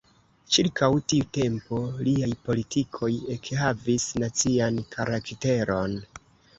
Ĉirkaŭ tiu tempo liaj politikoj ekhavis nacian karakteron.